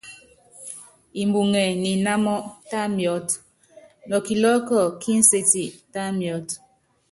Mbuŋɛ ni inámɔ, tá miɔ́t, nɔ kilɔ́ɔ́kɔ ki nséti, tá miɔ́t.